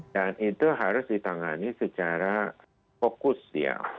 dan itu harus ditangani secara fokus ya